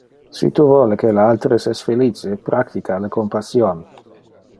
Si tu vole que le alteres es felice, practica le compassion.